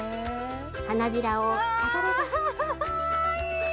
花びらを飾れば。